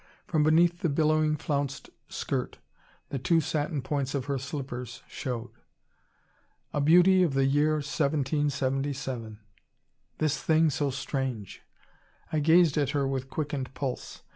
From beneath the billowing, flounced skirt the two satin points of her slippers showed. A beauty of the year 1777! This thing so strange! I gazed at her with quickened pulse.